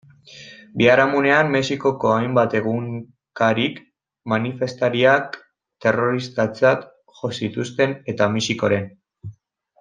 Biharamunean, Mexikoko hainbat egunkarik manifestariak terroristatzat jo zituzten eta Mexikoren.